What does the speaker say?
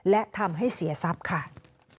และทำให้เสียทัศน์